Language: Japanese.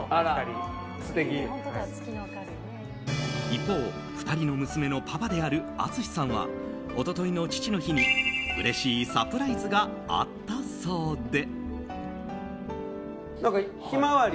一方、２人の娘のパパである淳さんは一昨日の父の日に、うれしいサプライズがあったそうで。